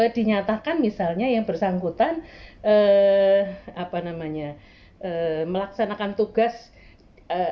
dinyatakan misalnya yang bersangkutan melaksanakan tugas